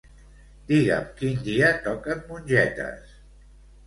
Digue'm quin dia toquen mongetes.